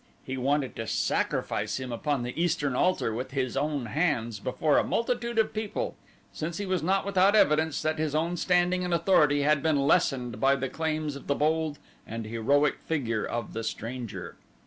He wanted to sacrifice him upon the eastern altar with his own hands before a multitude of people, since he was not without evidence that his own standing and authority had been lessened by the claims of the bold and heroic figure of the stranger.